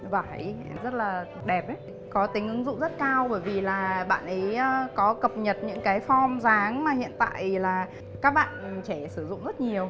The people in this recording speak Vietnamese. vải rất là đẹp có tính ứng dụng rất cao bởi vì là bạn ấy có cập nhật những cái form ráng mà hiện tại là các bạn trẻ sử dụng rất nhiều